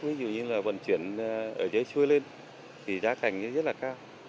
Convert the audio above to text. ví dụ như là vận chuyển ở giới xuôi lên thì giá cảnh rất là cao